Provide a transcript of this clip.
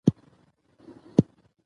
احمدشاه بابا د هیواد بنسټونه پیاوړي کړل.